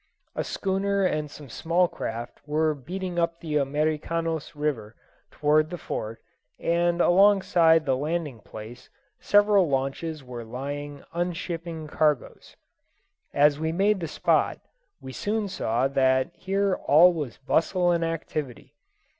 A schooner and some small craft were beating up the Americanos River towards the Fort, and alongside the landing place several launches were lying unshipping cargoes. As we made the spot, we soon saw that here all was bustle and activity.